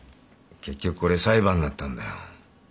結局これ裁判になったんだよ。